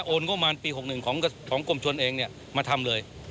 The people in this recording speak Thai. งบประมาณปี๖๑ของกรมชนเองมาทำเลย